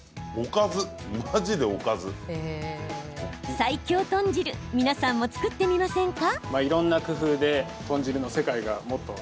最強豚汁皆さんも作ってみませんか？